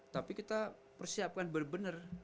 tapi kita persiapkan bener bener